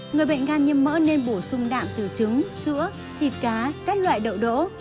người bệnh gan nhiễm mỡ nên bổ sung đạm từ trứng sữa thịt cá các loại đậu đỗ